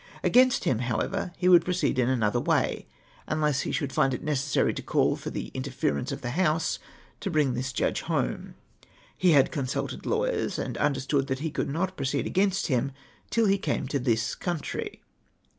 Against him, however, he would proceed in another way, unless he should find it necessary to call for the interference of the House to bring this Judge home. He had consulted lawyers, and understood that he could not proceed against him till he came to this country.